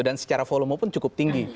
dan secara volume pun cukup tinggi